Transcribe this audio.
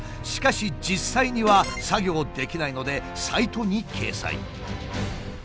しかし実際には作業できないのでサイトに掲載。